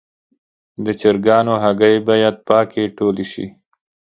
د چرګانو هګۍ باید پاکې ټولې شي.